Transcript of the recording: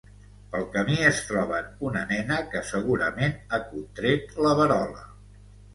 Pel camí es troben una nena que segurament ha contret la verola.